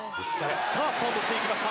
さあ、スタートしていきました。